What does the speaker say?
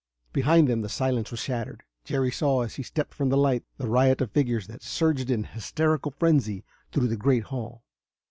Behind them the silence was shattered. Jerry saw, as he stepped from the light, the riot of figures that surged in hysterical frenzy through the great hall.